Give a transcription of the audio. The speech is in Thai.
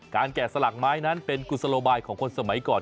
แกะสลักไม้นั้นเป็นกุศโลบายของคนสมัยก่อน